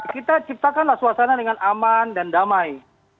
kita ciptakanlah suasana dengan aman dan damai